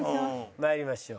参りましょう。